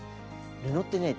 布ってね